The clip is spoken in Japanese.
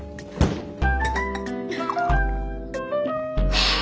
はあ！